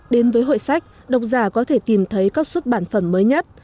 đến với hội sách độc giả có thể tìm thấy các xuất bản phẩm mới nhất